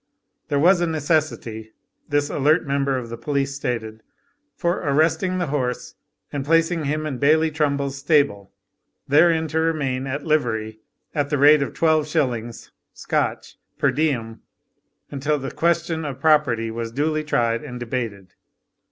There was a necessity, this alert member of the police stated, for arresting the horse, and placing him in Bailie Trumbull's stable, therein to remain at livery, at the rate of twelve shillings (Scotch) per diem, until the question of property was duly tried and debated.